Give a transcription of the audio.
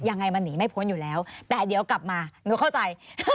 ยังไงมันหนีไม่พ้นอยู่แล้วแต่เดี๋ยวกลับมาหนูเข้าใจ